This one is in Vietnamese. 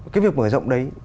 cái việc mở rộng đấy